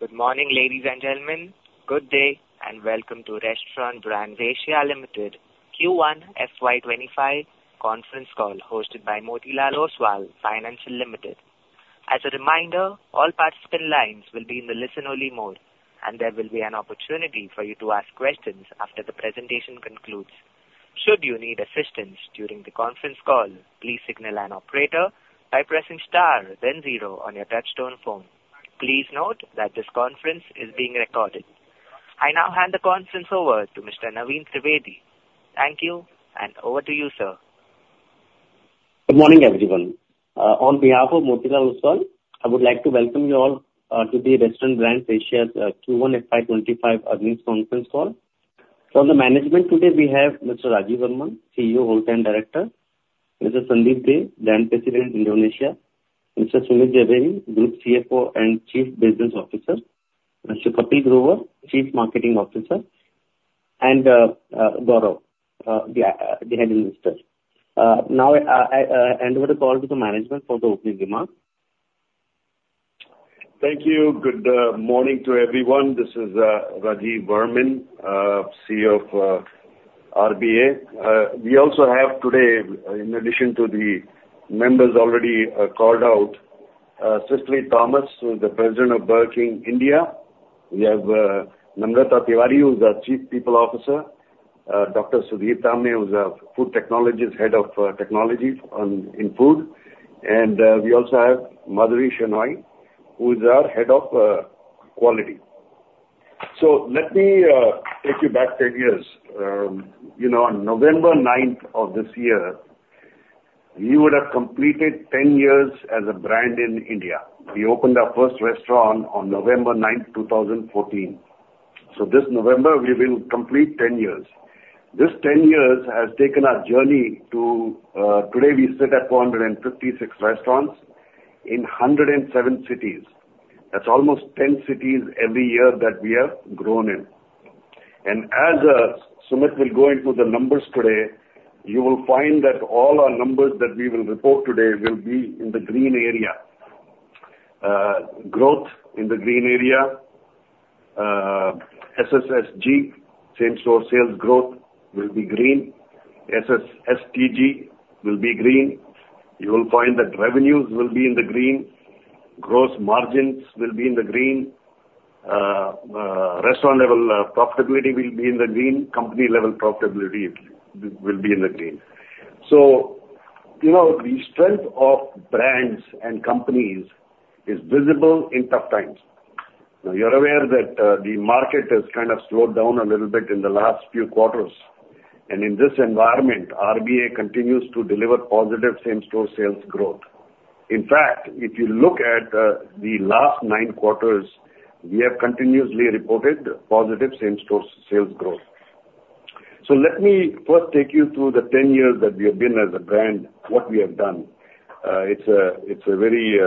Good morning, ladies and gentlemen. Good day, and welcome to Restaurant Brands Asia Limited Q1 FY25 conference call, hosted by Motilal Oswal Financial Services Limited. As a reminder, all participant lines will be in the listen-only mode, and there will be an opportunity for you to ask questions after the presentation concludes. Should you need assistance during the conference call, please signal an operator by pressing star then zero on your touchtone phone. Please note that this conference is being recorded. I now hand the conference over to Mr. Naveen Trivedi. Thank you, and over to you, sir. Good morning, everyone. On behalf of Motilal Oswal, I would like to welcome you all to the Restaurant Brands Asia's Q1 FY25 earnings conference call. From the management today we have Mr. Rajeev Varman, CEO, Whole Time Director; Mr. Sandeep Dey, Brand President, Indonesia; Mr. Sumit Jhaveri, Group CFO and Chief Business Officer; Mr. Kapil Grover, Chief Marketing Officer; and Gaurav, the Head of Investor Relations. Now, I hand over the call to the management for the opening remarks. Thank you. Good morning to everyone. This is Rajeev Varman, CEO of RBA. We also have today, in addition to the members already called out, Cecily Thomas, who is the President of Burger King India. We have Namrata Tiwari, who's our Chief People Officer, Dr. Sudip Tamhane, who's our Food Technologist, Head of Technology in food. And we also have Madhuri Shenoy, who is our Head of Quality. So let me take you back 10 years. You know, on November ninth of this year, we would have completed 10 years as a brand in India. We opened our first restaurant on November ninth, 2014. So this November, we will complete 10 years. This 10 years has taken our journey to today we sit at 456 restaurants in 107 cities. That's almost 10 cities every year that we have grown in. As Sumit will go into the numbers today, you will find that all our numbers that we will report today will be in the green area. Growth in the green area, SSSG, same-store sales growth, will be green. SSSTG will be green. You will find that revenues will be in the green, gross margins will be in the green, restaurant level profitability will be in the green, company level profitability will be in the green. So, you know, the strength of brands and companies is visible in tough times. Now, you're aware that, the market has kind of slowed down a little bit in the last few quarters, and in this environment, RBA continues to deliver positive same-store sales growth. In fact, if you look at, the last nine quarters, we have continuously reported positive same-store sales growth. So let me first take you through the 10 years that we have been as a brand, what we have done. It's a very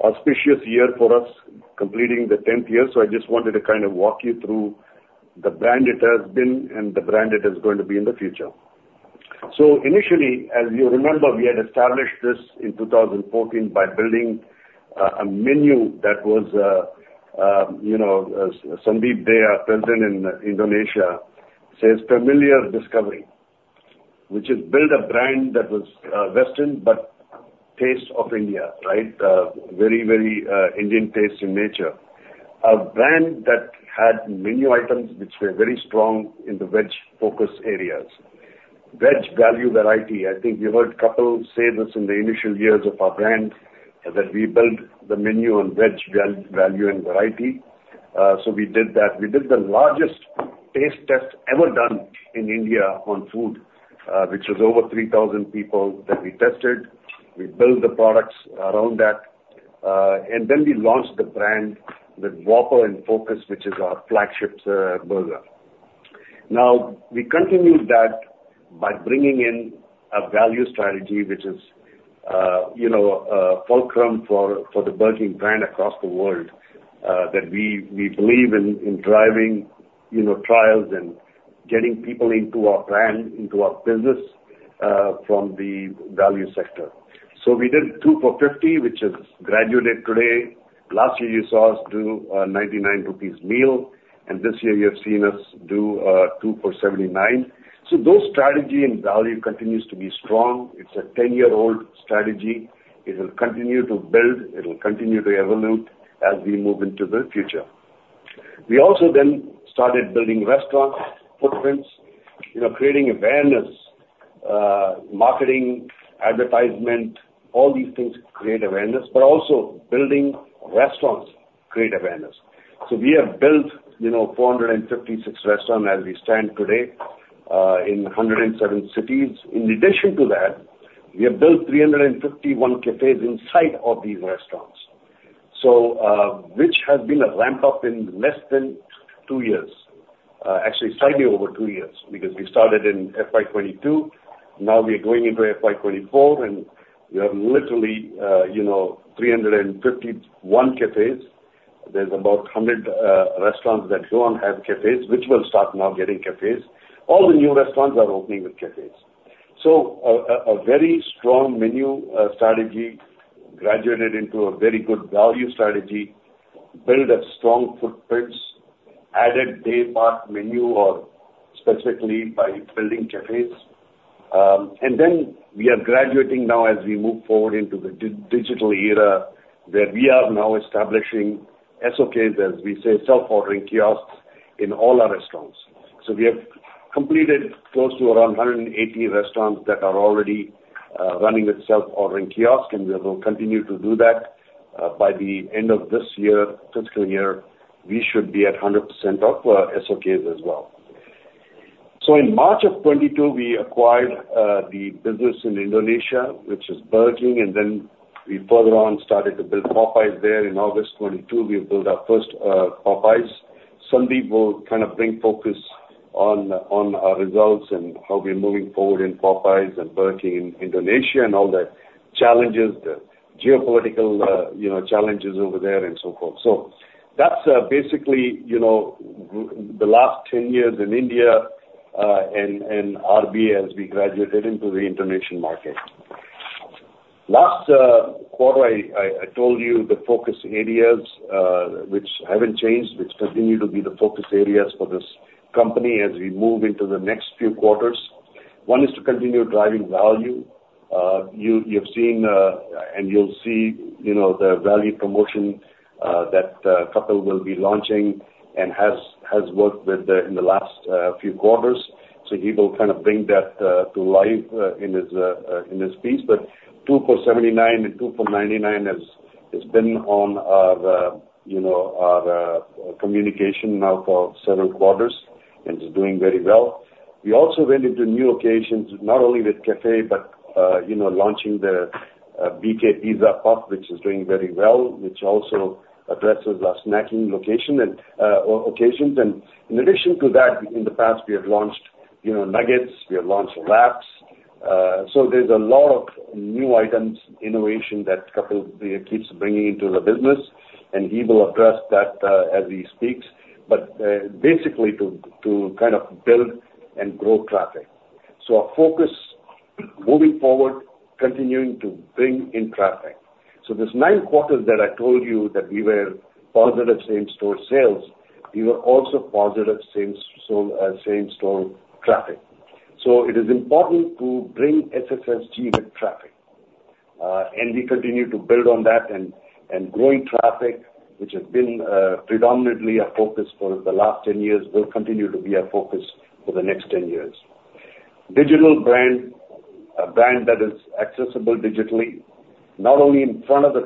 auspicious year for us, completing the 10th year, so I just wanted to kind of walk you through the brand it has been and the brand it is going to be in the future. Initially, as you remember, we had established this in 2014 by building a menu that was, you know, Sandeep Dey, our president in Indonesia, says, "Familiar discovery," which is build a brand that was Western, but taste of India, right? Very, very Indian taste in nature. A brand that had menu items which were very strong in the veg-focused areas. Veg value variety. I think you heard Kapil say this in the initial years of our brand, that we built the menu on veg value and variety. So we did that. We did the largest taste test ever done in India on food, which was over 3,000 people that we tested. We built the products around that, and then we launched the brand with Whopper in focus, which is our flagship burger. Now, we continued that by bringing in a value strategy, which is, you know, a fulcrum for, for the Burger King brand across the world, that we, we believe in, in driving, you know, trials and getting people into our brand, into our business, from the value sector. So we did 2 for 50 INR, which has graduated today. Last year, you saw us do a 99 rupees meal, and this year you have seen us do, 2 for 79 INR. So those strategy and value continues to be strong. It's a 10-year-old strategy. It will continue to build, it will continue to evolve as we move into the future. We also then started building restaurant footprints, you know, creating awareness, marketing, advertisement, all these things create awareness, but also building restaurants create awareness. So we have built, you know, 456 restaurants as we stand today, in 107 cities. In addition to that, we have built 351 cafes inside of these restaurants. So, which has been a ramp-up in less than two years, actually slightly over two years, because we started in FY 2022, now we are going into FY 2024, and we have literally, you know, 351 cafes. There's about 100 restaurants that don't have cafes, which will start now getting cafes. All the new restaurants are opening with cafes. So a very strong menu strategy graduated into a very good value strategy, build up strong footprints, added day part menu, or specifically by building cafes. And then we are graduating now as we move forward into the digital era, where we are now establishing SOKs, as we say, self-ordering kiosks, in all our restaurants. So we have completed close to around 180 restaurants that are already running with self-ordering kiosk, and we will continue to do that. By the end of this year, fiscal year, we should be at 100% of SOKs as well. So in March of 2022, we acquired the business in Indonesia, which is Burger King, and then we further on started to build Popeyes there. In August 2022, we built our first Popeyes. Sandeep will kind of bring focus on our results and how we're moving forward in Popeyes and Burger King in Indonesia and all the challenges, the geopolitical, you know, challenges over there and so forth. So that's basically, you know, with the last 10 years in India, and RB as we graduated into the international market. Last quarter, I told you the focus areas, which haven't changed, which continue to be the focus areas for this company as we move into the next few quarters. One is to continue driving value. You've seen, and you'll see, you know, the value promotion that Kapil will be launching and has worked within the last few quarters. So he will kind of bring that to life in his piece. But 2 for 79 and 2 for 99 has been on our, you know, our communication now for several quarters and is doing very well. We also went into new occasions, not only with cafe, but you know, launching the BK Pizza Puff, which is doing very well, which also addresses our snacking location and occasions. And in addition to that, in the past, we have launched, you know, nuggets, we have launched wraps. So there's a lot of new items, innovation that Kapil keeps bringing into the business, and he will address that as he speaks. But basically, to kind of build and grow traffic. So our focus, moving forward, continuing to bring in traffic. So this nine quarters that I told you that we were positive same-store sales, we were also positive same-store traffic. So it is important to bring SSSG with traffic. We continue to build on that and growing traffic, which has been predominantly our focus for the last 10 years, will continue to be our focus for the next 10 years. Digital brand, a brand that is accessible digitally, not only in front of the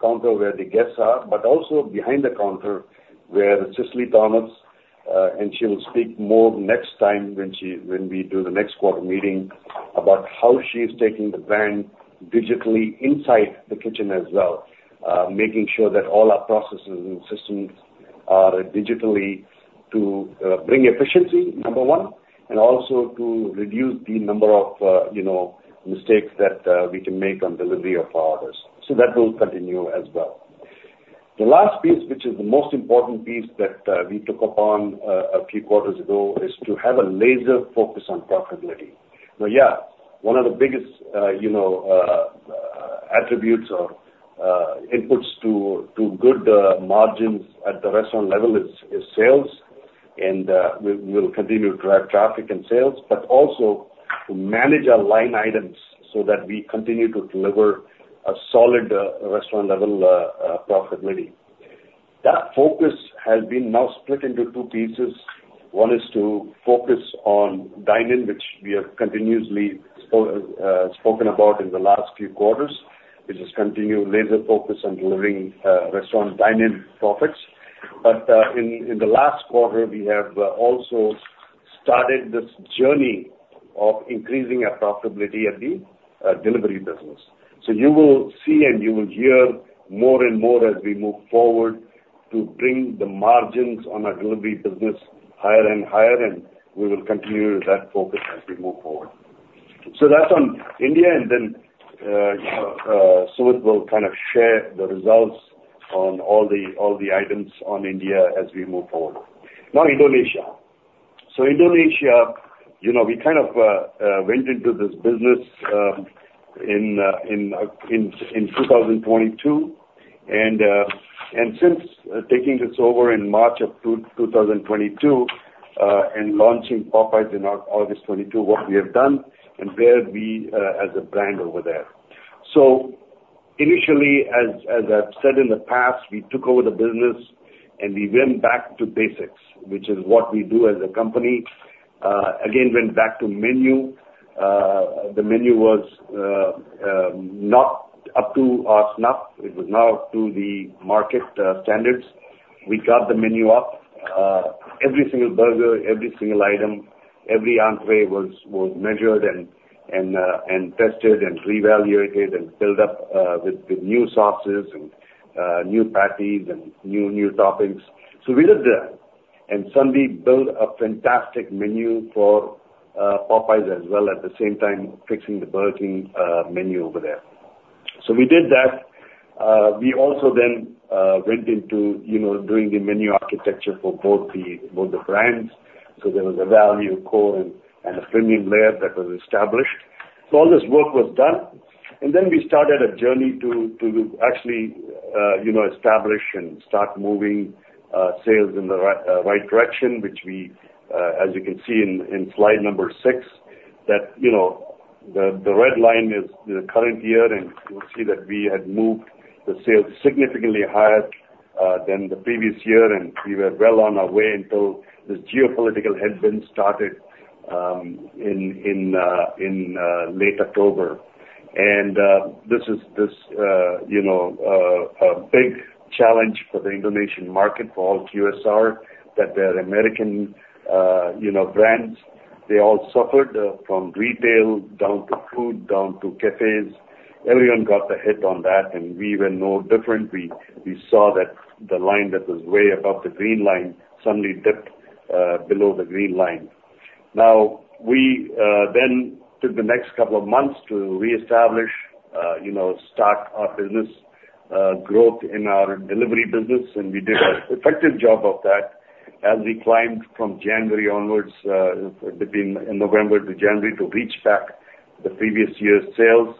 counter where the guests are, but also behind the counter, where Cecily Thomas and she will speak more next time when we do the next quarter meeting, about how she's taking the brand digitally inside the kitchen as well. Making sure that all our processes and systems are digitally to bring efficiency, number one, and also to reduce the number of, you know, mistakes that we can make on delivery of our orders. So that will continue as well. The last piece, which is the most important piece that we took upon a few quarters ago, is to have a laser focus on profitability. Now, yeah, one of the biggest, you know, attributes or inputs to good margins at the restaurant level is sales. And we will continue to drive traffic and sales, but also to manage our line items so that we continue to deliver a solid restaurant level profitability. That focus has been now split into two pieces. One is to focus on dine-in, which we have continuously spoken about in the last few quarters, which is continued laser focus on delivering restaurant dine-in profits. But in the last quarter, we have also started this journey of increasing our profitability at the delivery business. So you will see and you will hear more and more as we move forward to bring the margins on our delivery business higher and higher, and we will continue that focus as we move forward. So that's on India, and then, Sumit will kind of share the results on all the, all the items on India as we move forward. Now, Indonesia. So Indonesia, you know, we kind of went into this business in 2022. And since taking this over in March of 2022, and launching Popeyes in August 2022, what we have done and where we as a brand over there. So initially, as I've said in the past, we took over the business and we went back to basics, which is what we do as a company. Again, went back to menu. The menu was not up to our snuff. It was not up to the market standards. We got the menu up. Every single burger, every single item, every entree was tested, and reevaluated and built up with new sauces and new patties and new toppings. So we did that, and Sandeep built a fantastic menu for Popeyes as well, at the same time, fixing the Burger King menu over there. So we did that. We also went into, you know, doing the menu architecture for both the brands. So there was a value core and a premium layer that was established. So all this work was done, and then we started a journey to actually, you know, establish and start moving sales in the right direction, which we, as you can see in slide number 6, that, you know, the red line is the current year, and you'll see that we had moved the sales significantly higher than the previous year, and we were well on our way until this geopolitical headwind started in late October. And this is, you know, a big challenge for the Indonesian market, for all QSR, that they are American, you know, brands. They all suffered from retail, down to food, down to cafes. Everyone got the hit on that, and we were no different. We saw that the line that was way above the green line suddenly dipped below the green line. Now, we then took the next couple of months to reestablish, you know, start our business growth in our delivery business, and we did an effective job of that as we climbed from January onwards, between November to January, to reach back the previous year's sales.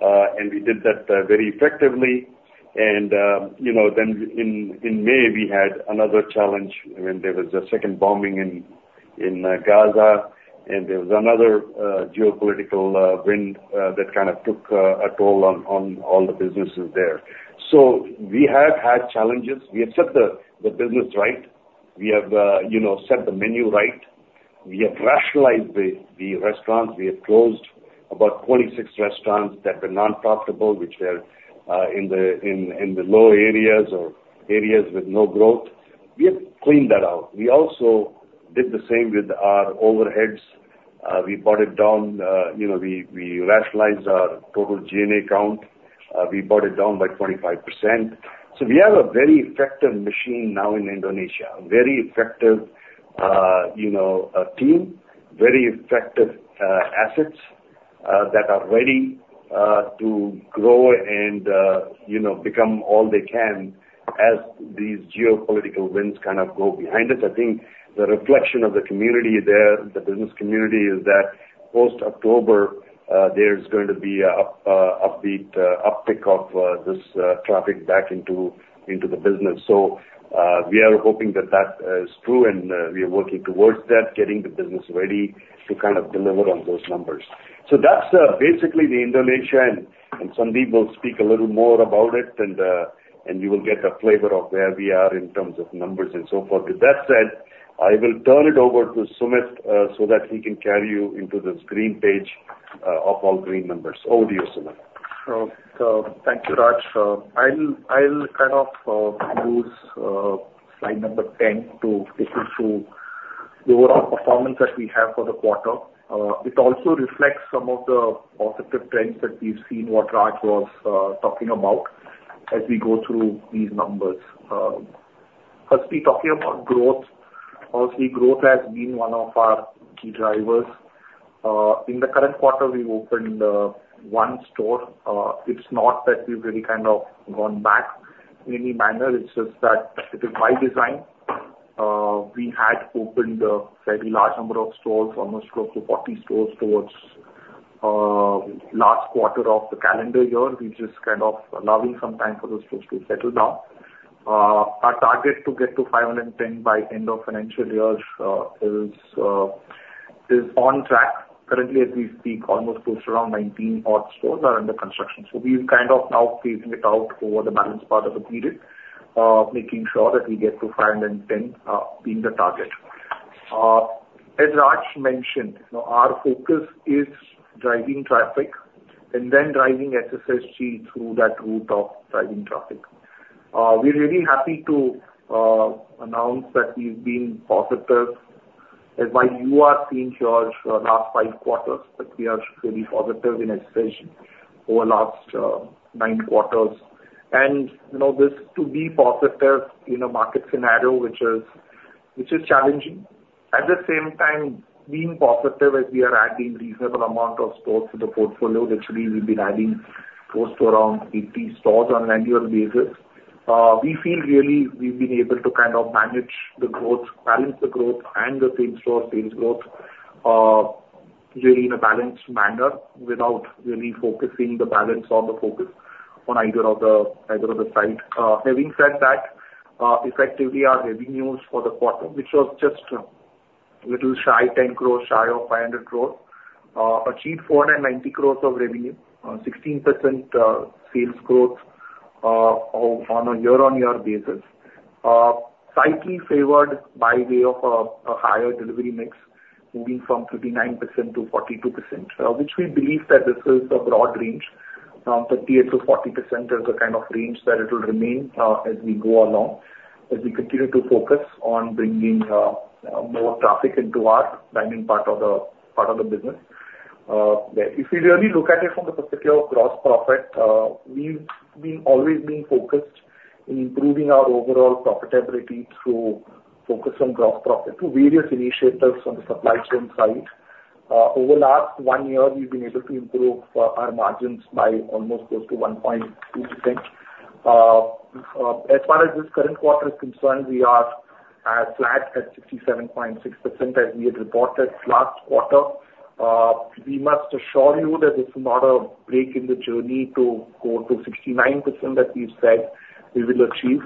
And we did that very effectively. And, you know, then in May, we had another challenge when there was a second bombing in Gaza, and there was another geopolitical wind that kind of took a toll on all the businesses there. So we have had challenges. We have set the business right. We have, you know, set the menu right. We have rationalized the restaurants. We have closed about 26 restaurants that were non-profitable, which were in the low areas or areas with no growth. We have cleaned that out. We also did the same with our overheads. We brought it down, you know, we rationalized our total G&A count. We brought it down by 25%. So we have a very effective machine now in Indonesia, a very effective, you know, team, very effective assets that are ready to grow and, you know, become all they can as these geopolitical winds kind of go behind us. I think the reflection of the community there, the business community, is that post-October, there's going to be a upbeat uptick of this traffic back into the business. So, we are hoping that that is true, and we are working towards that, getting the business ready to kind of deliver on those numbers. So that's basically the Indonesia, and Sandeep will speak a little more about it, and you will get a flavor of where we are in terms of numbers and so forth. With that said, I will turn it over to Sumit, so that he can carry you into this green page of all green numbers. Over to you, Sumit. So thank you, Raj. I'll kind of use slide number 10 to take you through the overall performance that we have for the quarter. It also reflects some of the positive trends that we've seen, what Raj was talking about as we go through these numbers. Firstly, talking about growth. Obviously, growth has been one of our key drivers. In the current quarter, we opened 1 store. It's not that we've really kind of gone back in any manner. It's just that it is by design. We had opened a very large number of stores, almost close to 40 stores, towards last quarter of the calendar year. We're just kind of allowing some time for those stores to settle down. Our target to get to 510 by end of financial year is on track. Currently, as we speak, almost close to around 19-odd stores are under construction. So we're kind of now phasing it out over the balance part of the period, making sure that we get to 510, being the target. As Raj mentioned, our focus is driving traffic and then driving SSSG through that route of driving traffic. We're really happy to announce that we've been positive, as you are seeing here, last 5 quarters, but we are really positive in SSG over last 9 quarters. You know, this to be positive in a market scenario which is challenging. At the same time, being positive as we are adding reasonable amount of stores to the portfolio, actually, we've been adding close to around 80 stores on an annual basis. We feel really we've been able to kind of manage the growth, balance the growth, and the same store sales growth, really in a balanced manner without really focusing the balance or the focus on either of the, either of the side. Having said that, effectively, our revenues for the quarter, which was just a little shy, 10 crore shy of 500 crore, achieved 490 crore of revenue, 16% sales growth, on a year-on-year basis. Slightly favored by way of a, a higher delivery mix, moving from 59% to 42%, which we believe that this is the broad range. 38%-40% is the kind of range that it will remain, as we go along, as we continue to focus on bringing more traffic into our dining part of the business. If we really look at it from the perspective of gross profit, we've always been focused in improving our overall profitability through focus on gross profit through various initiatives on the supply chain side. Over last one year, we've been able to improve our margins by almost close to 1.2%. As far as this current quarter is concerned, we are as flat as 67.6% as we had reported last quarter. We must assure you that it's not a break in the journey to go to 69% that we've said we will achieve.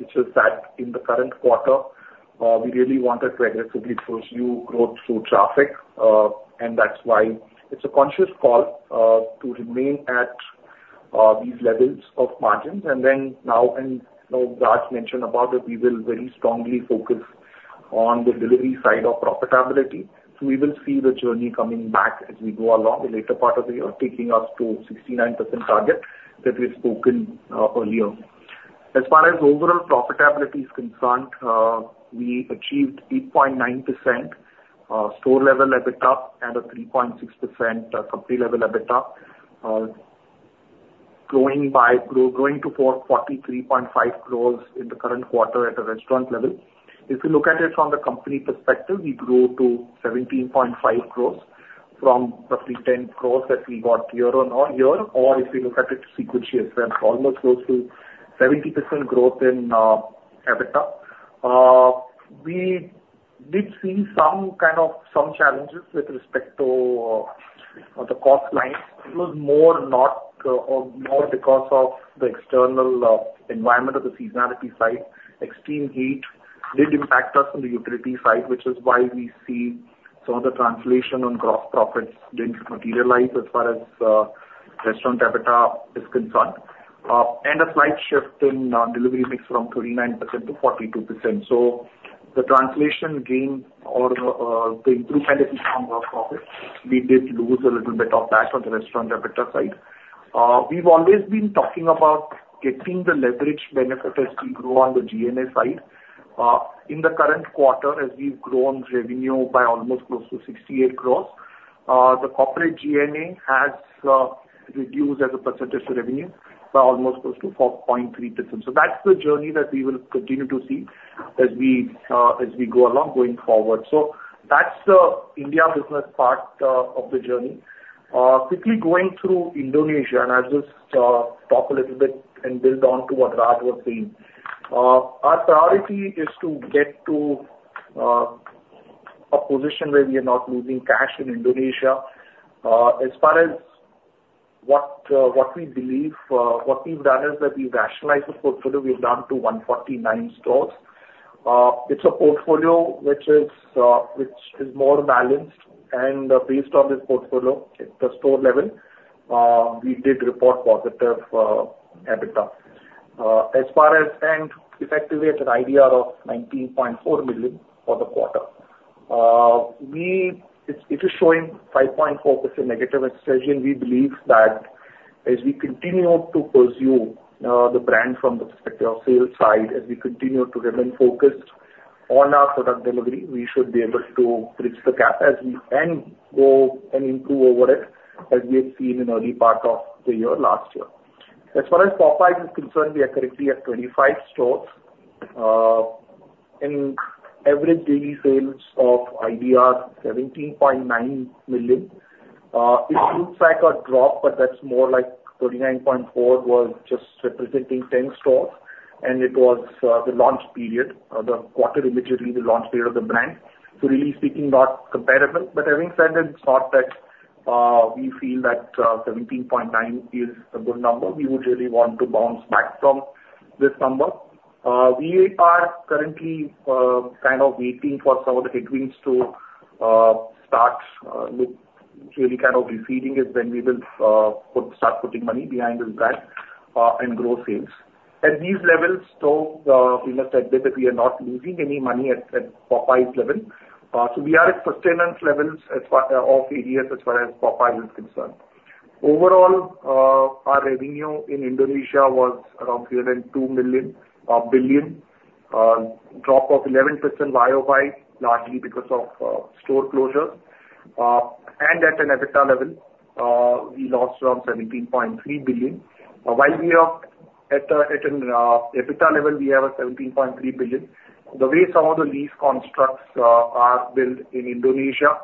It's just that in the current quarter, we really wanted to aggressively pursue growth through traffic, and that's why it's a conscious call, to remain at, these levels of margins. Raj mentioned about it, we will very strongly focus on the delivery side of profitability. So we will see the journey coming back as we go along the later part of the year, taking us to 69% target that we've spoken, earlier. As far as overall profitability is concerned, we achieved 8.9%, store level EBITDA and a 3.6% company level EBITDA, growing to 43.5 crores in the current quarter at a restaurant level. If you look at it from the company perspective, we grew to 17.5 crore from roughly 10 crore that we got year-over-year, or if you look at it sequentially, it's almost close to 70% growth in EBITDA. We did see some kind of, some challenges with respect to, on the cost line. It was more not, or more because of the external environment of the seasonality side. Extreme heat did impact us on the utility side, which is why we see some of the translation on gross profits didn't materialize as far as restaurant EBITDA is concerned. And a slight shift in delivery mix from 39% to 42%. So the translation gain or the improvement in gross profit, we did lose a little bit of that on the restaurant EBITDA side. We've always been talking about getting the leverage benefit as we grow on the G&A side. In the current quarter, as we've grown revenue by almost close to 68 crore, the corporate G&A has reduced as a percentage of revenue by almost close to 4.3%. So that's the journey that we will continue to see as we, as we go along going forward. So that's the India business part of the journey. Quickly going through Indonesia, and I'll just talk a little bit and build on to what Raj was saying. Our priority is to get to a position where we are not losing cash in Indonesia. As far as what we believe, what we've done is that we've rationalized the portfolio. We've down to 149 stores. It's a portfolio which is, which is more balanced, and based on this portfolio, at the store level, we did report positive EBITDA. As far as rent, effectively, it's an 19.4 million for the quarter. It's, it is showing 5.4% negative association. We believe that as we continue to pursue the brand from the perspective of sales side, as we continue to remain focused on our product delivery, we should be able to bridge the gap as we... And go and improve over it, as we have seen in early part of the year, last year. As far as Popeyes is concerned, we are currently at 25 stores, and average daily sales of IDR 17.9 million. It looks like a drop, but that's more like 39.4, was just representing 10 stores, and it was the launch period, the quarter immediately the launch period of the brand. So really speaking, not comparable. But having said that, not that we feel that 17.9 is a good number. We would really want to bounce back from this number. We are currently kind of waiting for some of the headwinds to start with really kind of receding, as then we will put start putting money behind this brand and grow sales. At these levels, though, we must add that that we are not losing any money at at Popeyes level. So we are at sustenance levels as far of areas as far as Popeyes is concerned. Overall, our revenue in Indonesia was around 302 billion, a drop of 11% YOY, largely because of store closures. And at an EBITDA level, we lost around 17.3 billion. While we are at an EBITDA level, we have 17.3 billion. The way some of the lease constructs are built in Indonesia,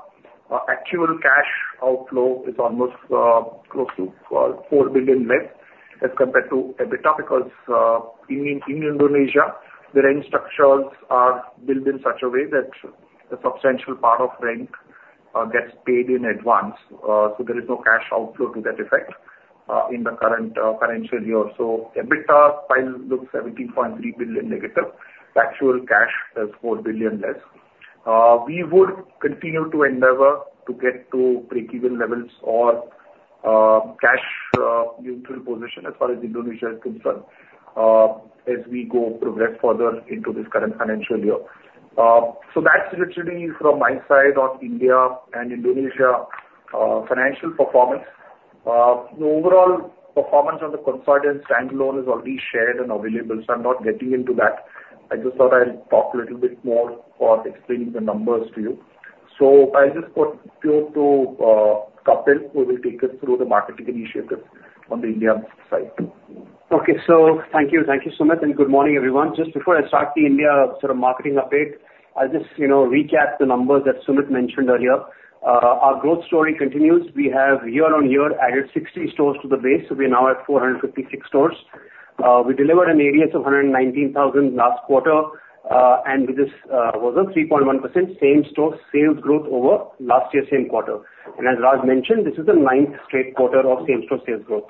actual cash outflow is almost close to 4 billion less as compared to EBITDA, because in Indonesia, the rent structures are built in such a way that a substantial part of rent gets paid in advance. So there is no cash outflow to that effect in the current financial year. So EBITDA file looks -17.3 billion. The actual cash is 4 billion less. We would continue to endeavor to get to breakeven levels or cash neutral position as far as Indonesia is concerned as we progress further into this current financial year. So that's literally from my side on India and Indonesia financial performance. The overall performance on the consolidated standalone is already shared and available, so I'm not getting into that. I just thought I'll talk a little bit more or explain the numbers to you. So I'll just put you to Kapil, who will take us through the marketing initiatives on the India side. Okay, so thank you. Thank you, Sumit, and good morning, everyone. Just before I start the India sort of marketing update, I'll just, you know, recap the numbers that Sumit mentioned earlier. Our growth story continues. We have year-on-year added 60 stores to the base, so we're now at 456 stores. We delivered an ADS of 119,000 last quarter, and with this, was a 3.1% same-store sales growth over last year's same quarter. And as Raj mentioned, this is the ninth straight quarter of same-store sales growth.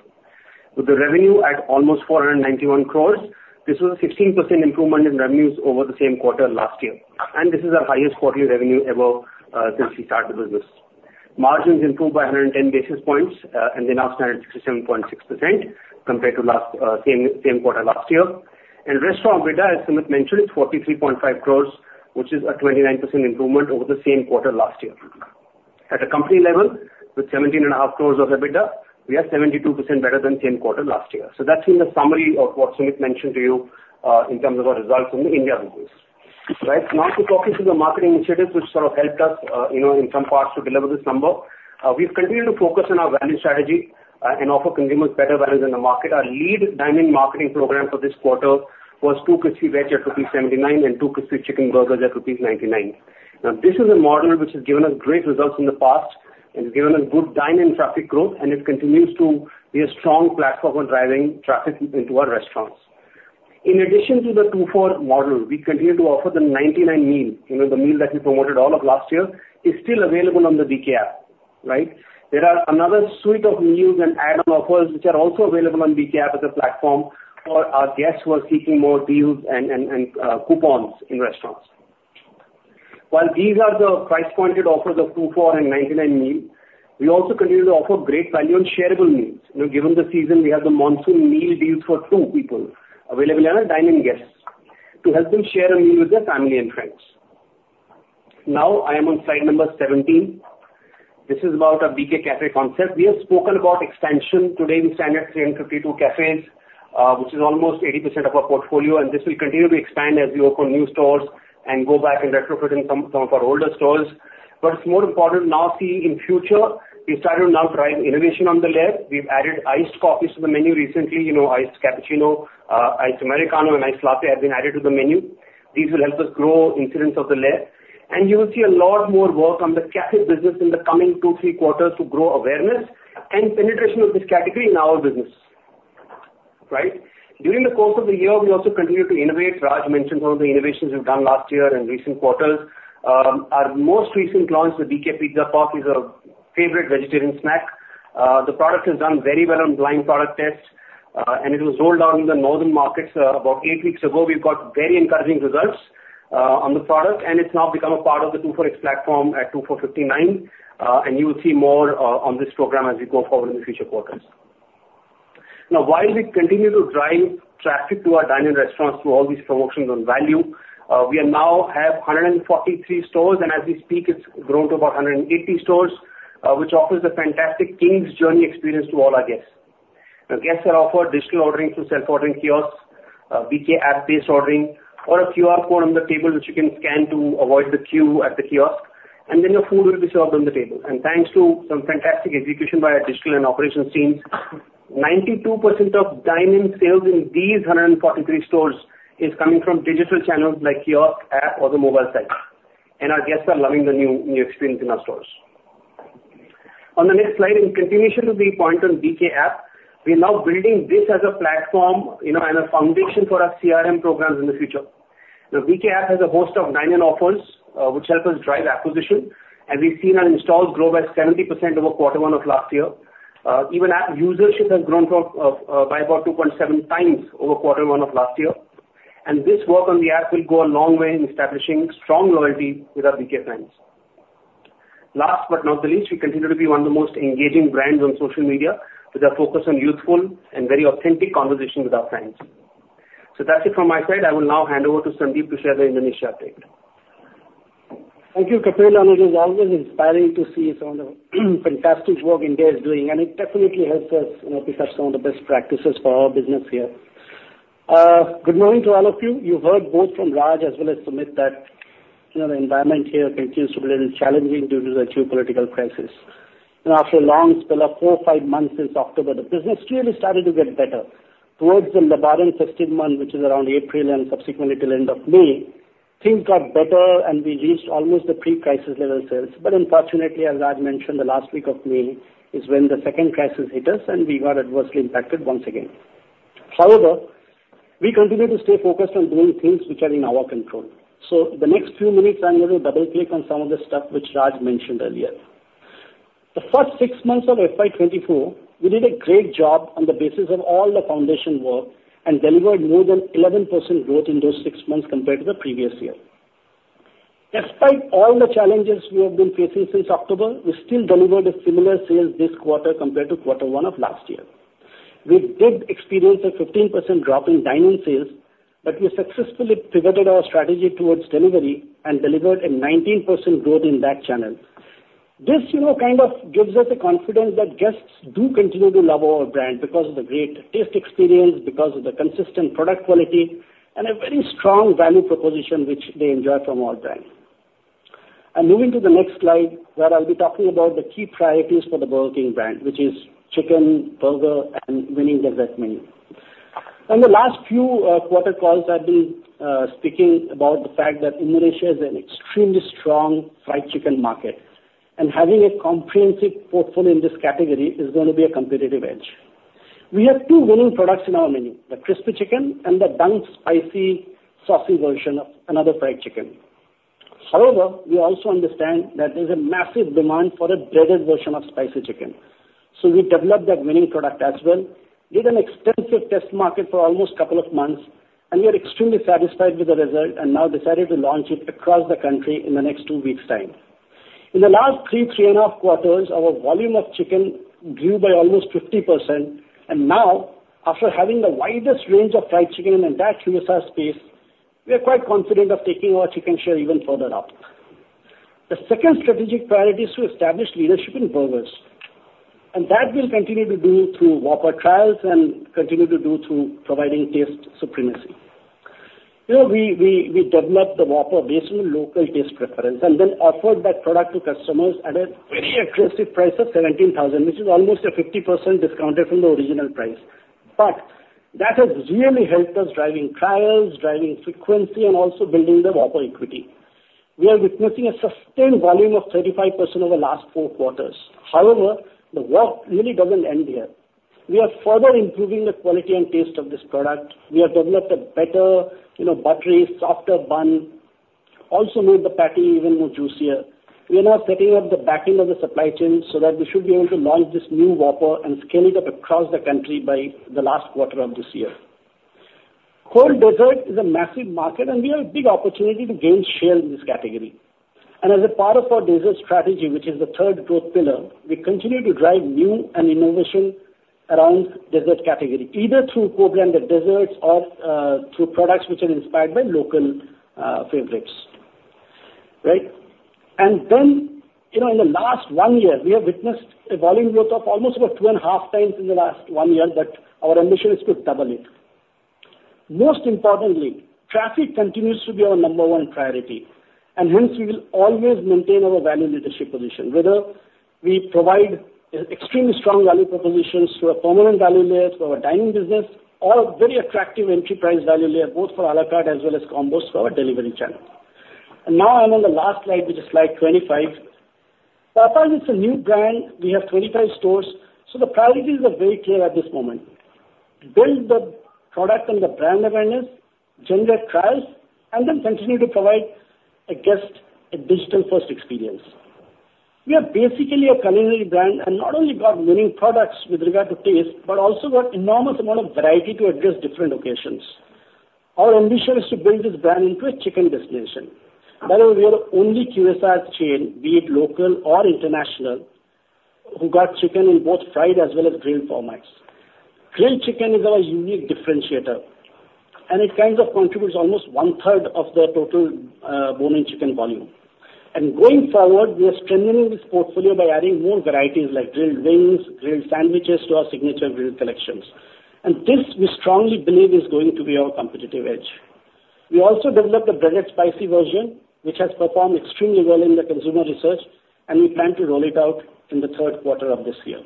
With the revenue at almost 491 crore, this was a 16% improvement in revenues over the same quarter last year, and this is our highest quarterly revenue ever, since we started the business. Margins improved by 110 basis points, and they now stand at 67.6% compared to last same quarter last year. And restaurant EBITDA, as Sumit mentioned, is 43.5 crores, which is a 29% improvement over the same quarter last year. At a company level, with 17.5 crores of EBITDA, we are 72% better than same quarter last year. So that's been the summary of what Sumit mentioned to you, in terms of our results from the India business. Right. Now, to talk you through the marketing initiatives which sort of helped us, you know, in some parts to deliver this number. We've continued to focus on our value strategy, and offer consumers better value than the market. Our lead dine-in marketing program for this quarter was two crispy veg at rupees 79 and two crispy chicken burgers at rupees 99. Now, this is a model which has given us great results in the past and given us good dine-in traffic growth, and it continues to be a strong platform for driving traffic into our restaurants. In addition to the two for model, we continue to offer the 99 meal. You know, the meal that we promoted all of last year is still available on the BK App, right? There are another suite of meals and add-on offers, which are also available on BK App as a platform for our guests who are seeking more deals and coupons in restaurants. While these are the price-pointed offers of two for and 99 meal, we also continue to offer great value on shareable meals. You know, given the season, we have the monsoon meal deals for two people available as our dine-in guests to help them share a meal with their family and friends. Now I am on slide number 17. This is about our BK Cafe concept. We have spoken about expansion. Today, we stand at 352 cafes, which is almost 80% of our portfolio, and this will continue to expand as we open new stores and go back and retrofit in some of our older stores. But it's more important now see in future, we've started to now drive innovation on the layer. We've added iced coffees to the menu recently. You know, iced cappuccino, iced Americano, and iced latte have been added to the menu. These will help us grow incidence of the layer, and you will see a lot more work on the cafe business in the coming 2, 3 quarters to grow awareness and penetration of this category in our business, right? During the course of the year, we also continued to innovate. Raj mentioned some of the innovations we've done last year and recent quarters. Our most recent launch, the BK Pizza Puff, is a favorite vegetarian snack. The product has done very well on blind product tests, and it was rolled out in the northern markets, about 8 weeks ago. We've got very encouraging results, on the product, and it's now become a part of the 2 for X platform at 2 for 59. And you will see more, on this program as we go forward in the future quarters. Now, while we continue to drive traffic to our dine-in restaurants through all these promotions on value, we now have 143 stores, and as we speak, it's grown to about 180 stores, which offers a fantastic king's journey experience to all our guests. The guests are offered digital ordering through self-ordering kiosks, BK app-based ordering, or a QR code on the table, which you can scan to avoid the queue at the kiosk, and then your food will be served on the table. Thanks to some fantastic execution by our digital and operations teams, 92% of dine-in sales in these 143 stores is coming from digital channels like kiosk, app, or the mobile site. Our guests are loving the new, new experience in our stores. On the next slide, in continuation to the point on BK App, we are now building this as a platform, you know, and a foundation for our CRM programs in the future. The BK App has a host of 9 million offers, which help us drive acquisition, and we've seen our installs grow by 70% over quarter one of last year. Even our usership has grown by about 2.7 times over quarter one of last year, and this work on the app will go a long way in establishing strong loyalty with our BK fans. Last but not the least, we continue to be one of the most engaging brands on social media, with a focus on youthful and very authentic conversation with our fans. So that's it from my side. I will now hand over to Sandeep to share the Indonesia update. Thank you, Kapil, and it is always inspiring to see some of the fantastic work India is doing, and it definitely helps us, you know, pick up some of the best practices for our business here. Good morning to all of you. You heard both from Raj as well as Sumit, that, you know, the environment here continues to be a little challenging due to the geopolitical crisis. You know, after a long spell of 4-5 months, since October, the business really started to get better. Towards the Ramadan festive month, which is around April and subsequently till end of May, things got better, and we reached almost the pre-crisis level sales. But unfortunately, as Raj mentioned, the last week of May is when the second crisis hit us, and we got adversely impacted once again. However, we continue to stay focused on doing things which are in our control. So the next few minutes, I'm going to double click on some of the stuff which Raj mentioned earlier. The first six months of FY 2024, we did a great job on the basis of all the foundation work and delivered more than 11% growth in those six months compared to the previous year. Despite all the challenges we have been facing since October, we still delivered a similar sales this quarter compared to quarter one of last year. We did experience a 15% drop in dine-in sales, but we successfully pivoted our strategy towards delivery and delivered a 19% growth in that channel. This, you know, kind of gives us the confidence that guests do continue to love our brand because of the great taste experience, because of the consistent product quality. And a very strong value proposition, which they enjoy from our brand. Moving to the next slide, where I'll be talking about the key priorities for the Burger King brand, which is chicken, burger, and winning dessert menu. In the last few quarter calls, I've been speaking about the fact that Indonesia is an extremely strong fried chicken market, and having a comprehensive portfolio in this category is going to be a competitive edge. We have two winning products in our menu: the crispy chicken and the dunk spicy, saucy version of another fried chicken. However, we also understand that there's a massive demand for a breaded version of spicy chicken, so we developed that winning product as well, did an extensive test market for almost couple of months, and we are extremely satisfied with the result and now decided to launch it across the country in the next 2 weeks' time. In the last 3, 3.5 quarters, our volume of chicken grew by almost 50%, and now, after having the widest range of fried chicken in the entire QSR space, we are quite confident of taking our chicken share even further up. The second strategic priority is to establish leadership in burgers, and that we'll continue to do through Whopper trials and continue to do through providing taste supremacy. You know, we developed the Whopper based on local taste preference and then offered that product to customers at a very aggressive price of 17,000, which is almost a 50% discount from the original price. But that has really helped us driving trials, driving frequency, and also building the Whopper equity. We are witnessing a sustained volume of 35% over the last four quarters. However, the work really doesn't end here. We are further improving the quality and taste of this product. We have developed a better, you know, buttery, softer bun, also made the patty even more juicier. We are now setting up the backing of the supply chain so that we should be able to launch this new Whopper and scale it up across the country by the last quarter of this year. Cold dessert is a massive market, and we have a big opportunity to gain share in this category. As a part of our dessert strategy, which is the third growth pillar, we continue to drive new and innovation around dessert category, either through co-branded desserts or through products which are inspired by local favorites. Right? And then, you know, in the last one year, we have witnessed a volume growth of almost about 2.5 times in the last one year, but our ambition is to double it. Most importantly, traffic continues to be our number one priority, and hence, we will always maintain our value leadership position, whether we provide extremely strong value propositions through our permanent value layers, through our dining business, or a very attractive entry price value layer, both for à la carte as well as combos for our delivery channel. Now I'm on the last slide, which is slide 25. Popeyes is a new brand. We have 25 stores, so the priorities are very clear at this moment: build the product and the brand awareness, generate trials, and then continue to provide a guest a digital-first experience. We are basically a culinary brand, and not only got winning products with regard to taste, but also got enormous amount of variety to address different occasions. Our ambition is to build this brand into a chicken destination. By the way, we are the only QSR chain, be it local or international, who got chicken in both fried as well as grilled formats. Grilled chicken is our unique differentiator, and it kind of contributes almost one-third of the total, bone-in chicken volume. Going forward, we are strengthening this portfolio by adding more varieties like grilled wings, grilled sandwiches to our signature grilled collections. This, we strongly believe, is going to be our competitive edge. We also developed a breaded spicy version, which has performed extremely well in the consumer research, and we plan to roll it out in the third quarter of this year.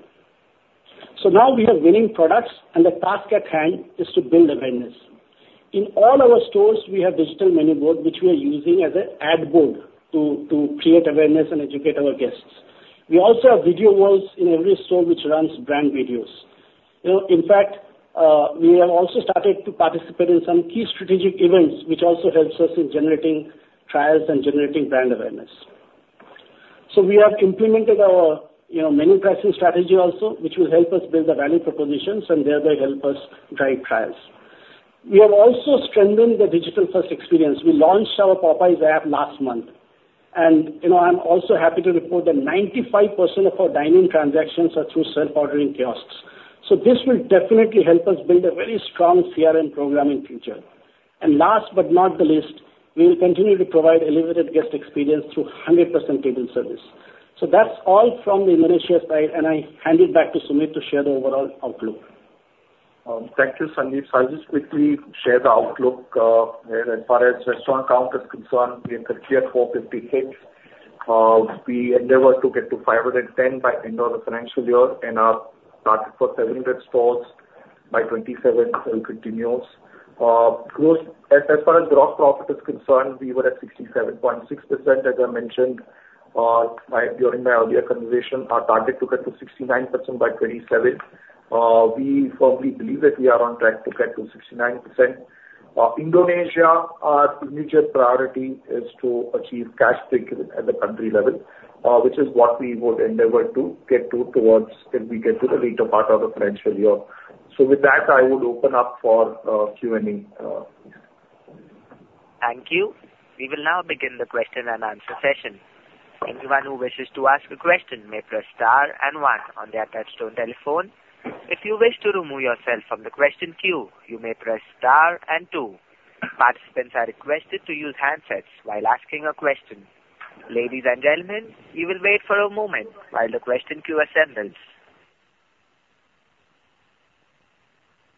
Now we have winning products, and the task at hand is to build awareness. In all our stores, we have digital menu board, which we are using as an ad board to create awareness and educate our guests. We also have video walls in every store which runs brand videos. You know, in fact, we have also started to participate in some key strategic events, which also helps us in generating trials and generating brand awareness. So we have implemented our, you know, menu pricing strategy also, which will help us build the value propositions and thereby help us drive trials. We have also strengthened the digital-first experience. We launched our Popeyes app last month, and, you know, I'm also happy to report that 95% of our dine-in transactions are through self-ordering kiosks. So this will definitely help us build a very strong CRM program in future. And last but not the least, we will continue to provide elevated guest experience through 100% table service. So that's all from the Indonesia side, and I hand it back to Sumit to share the overall outlook. Thank you, Sandeep. So I'll just quickly share the outlook. As far as restaurant count is concerned, we are currently at 458. We endeavor to get to 510 by end of the financial year and target for 700 stores by 2027 will continue. Growth, as far as gross profit is concerned, we were at 67.6%, as I mentioned during my earlier conversation. Our target to get to 69% by 2027. We firmly believe that we are on track to get to 69%. Indonesia, our immediate priority is to achieve cash break at the country level, which is what we would endeavor to get to towards if we get to the later part of the financial year. So with that, I would open up for Q&A. Thank you. We will now begin the question and answer session. Anyone who wishes to ask a question may press star and one on their touchtone telephone. If you wish to remove yourself from the question queue, you may press star and two. Participants are requested to use handsets while asking a question. Ladies and gentlemen, you will wait for a moment while the question queue assembles.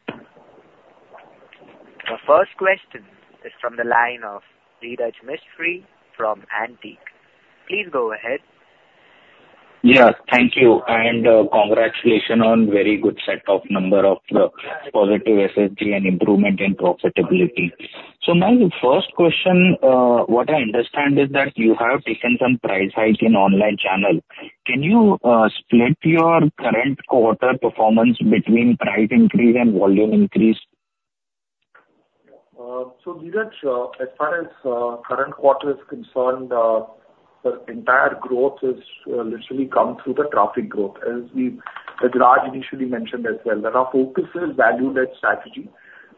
The first question is from the line of Dhiraj Mistry from Antique. Please go ahead. Yes, thank you, and, congratulations on very good set of number of the positive SSG and improvement in profitability. So my first question, what I understand is that you have taken some price hike in online channel. Can you split your current quarter performance between price increase and volume increase? So, Dhiraj, as far as current quarter is concerned, the entire growth is literally come through the traffic growth, as we... as Raj initially mentioned as well, that our focus is value-led strategy.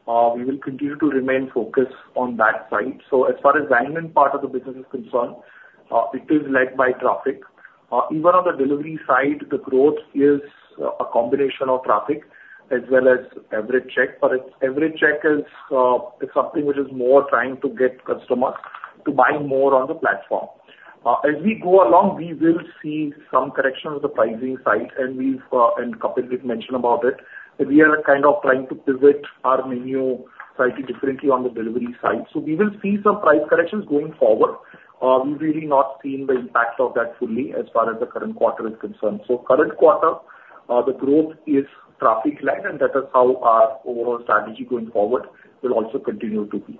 We will continue to remain focused on that side. So as far as volume part of the business is concerned, it is led by traffic. Even on the delivery side, the growth is a combination of traffic as well as average check. But its average check is something which is more trying to get customers to buy more on the platform. As we go along, we will see some correction on the pricing side, and we've, and Kapil did mention about it, that we are kind of trying to pivot our menu slightly differently on the delivery side. We will see some price corrections going forward. We've really not seen the impact of that fully as far as the current quarter is concerned. Current quarter, the growth is traffic-led, and that is how our overall strategy going forward will also continue to be.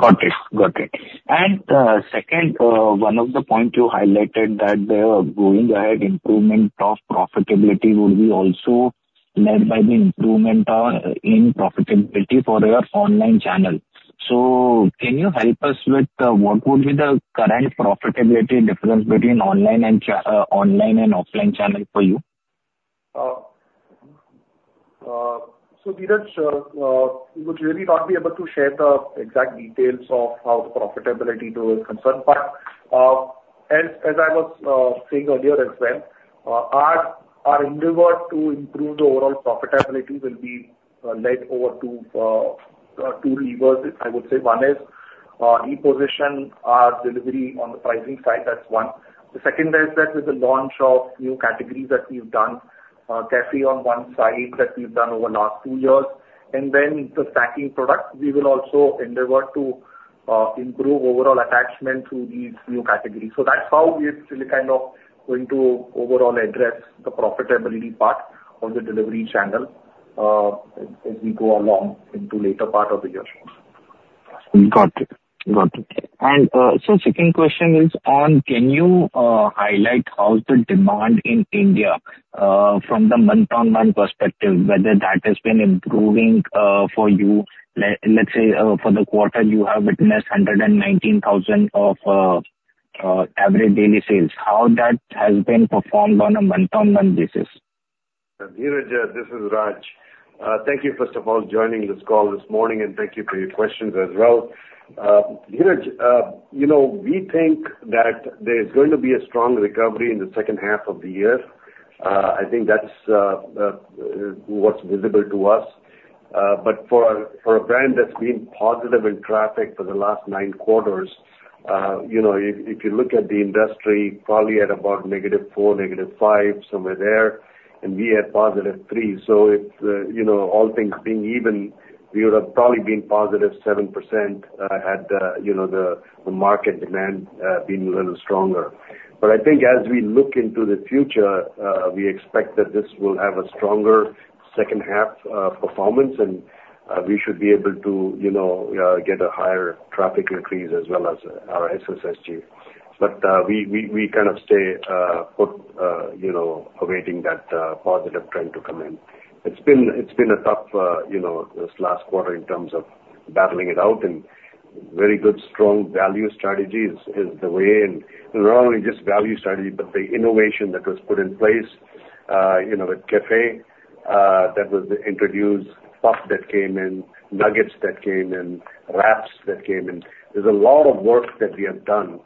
Got it. Got it. And second, one of the points you highlighted that going ahead, improvement of profitability will be also led by the improvement in profitability for your online channel. So can you help us with what would be the current profitability difference between online and offline channel for you? So Dhiraj, we would really not be able to share the exact details of how the profitability tool is concerned. But as I was saying earlier as well, our endeavor to improve the overall profitability will be led over to two levers, I would say. One is reposition our delivery on the pricing side. That's one. The second is that with the launch of new categories that we've done, cafe on one side, that we've done over the last two years, and then the snacking products, we will also endeavor to improve overall attachment through these new categories. So that's how we are still kind of going to overall address the profitability part of the delivery channel, as we go along into later part of the year. Got it. Got it. So second question is on can you highlight how the demand in India from the month-on-month perspective, whether that has been improving for you? Let's say, for the quarter, you have witnessed 119,000 of average daily sales. How that has been performed on a month-on-month basis? Dhiraj, this is Raj. Thank you, first of all, joining this call this morning, and thank you for your questions as well. Dhiraj, you know, we think that there's going to be a strong recovery in the second half of the year. I think that's what's visible to us. But for a brand that's been positive in traffic for the last 9 quarters, you know, if you look at the industry, probably at about -4, -5, somewhere there, and we at +3. So it's, you know, all things being even, we would have probably been +7%, had you know, the market demand been a little stronger. But I think as we look into the future, we expect that this will have a stronger second half performance, and we should be able to, you know, get a higher traffic increase as well as our SSSG. But we kind of stay put, you know, awaiting that positive trend to come in. It's been a tough, you know, this last quarter in terms of battling it out, and very good, strong value strategy is the way. And not only just value strategy, but the innovation that was put in place, you know, with cafe that was introduced, puff that came in, nuggets that came in, wraps that came in. There's a lot of work that we have done,